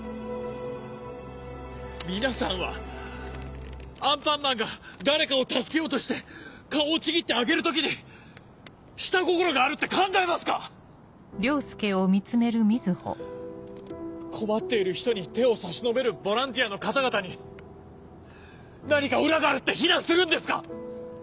皆さんはアンパンマンが誰かを助けようとして顔をちぎってあげる時に下心があるって考えますか⁉困っている人に手を差し伸べるボランティアの方々に何か裏があるって非難するんですか